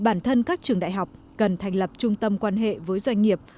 đem lại hiệu quả thì bản thân các trường đại học cần thành lập trung tâm quan hệ với doanh nghiệp